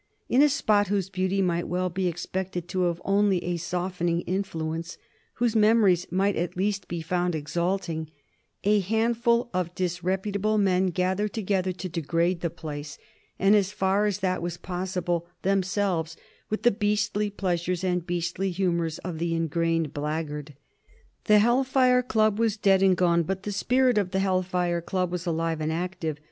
In a spot whose beauty might well be expected to have only a softening influence, whose memories might at least be found exalting, a handful of disreputable men gathered together to degrade the place, and, as far as that was possible, themselves, with the beastly pleasures and beastly humors of the ingrained blackguard. The Hell Fire Club was dead and gone, but the spirit of the Hell Fire Club was alive and active.